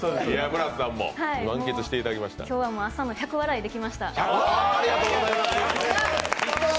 今日は、朝の１００笑いできました。